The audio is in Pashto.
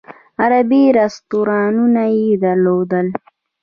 عربي رستورانونه یې درلودل.